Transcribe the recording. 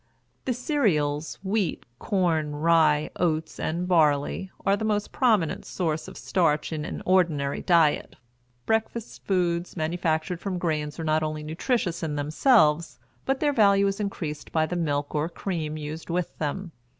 The cereals wheat, corn, rye, oats, and barley are the most prominent source of starch in an ordinary diet. Breakfast foods manufactured from grain are not only nutritious in themselves, but their value is increased by the milk or cream used with them.